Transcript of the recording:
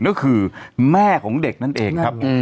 ก็คือแม่ของเด็กนั่นเองครับ